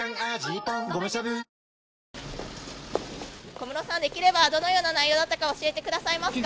小室さん、できればどのような内容だったか、教えてくださいますか。